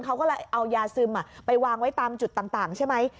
เขาก็เลยเอายาซึมไปวางไว้ตามจุดต่างใช่ไหม